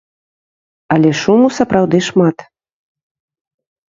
Але шуму сапраўды шмат.